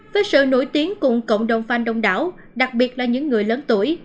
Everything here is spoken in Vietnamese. với sự nổi tiếng cùng cộng đồng fan đông đảo đặc biệt là những người lớn tuổi